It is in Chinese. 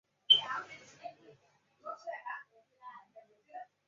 曾是华隆纺织最大股东。